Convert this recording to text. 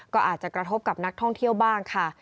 ก็อาจจะกระทบกับนักท่องเที่ยวบ้างค่ะ